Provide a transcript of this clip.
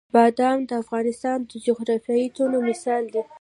بادام د افغانستان د جغرافیوي تنوع مثال دی.